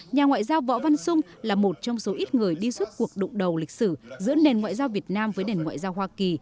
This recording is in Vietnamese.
nhà ngoại giao võ văn sung là một trong số ít người đi suốt cuộc đụng đầu lịch sử giữa nền ngoại giao việt nam với nền ngoại giao hoa kỳ